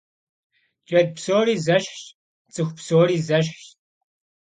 Джэд псори зэщхьщ, цӀыху псори зэщхьщ.